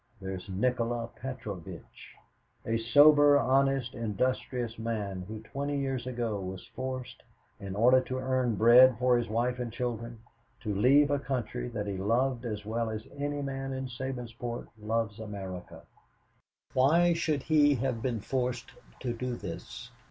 There is Nikola Petrovitch a sober, honest, industrious man, who twenty years ago was forced, in order to earn bread for his wife and children, to leave a country that he loved as well as any man in Sabinsport loves America. Why should he have been forced to do this?